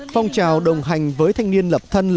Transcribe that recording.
phong trào đồng hành với thanh niên lập thân